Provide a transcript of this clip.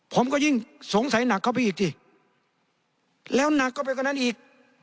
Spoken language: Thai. ผมก็ยิ่งสงสัยหนักเข้าไปอีกสิแล้วหนักเข้าไปกว่านั้นอีก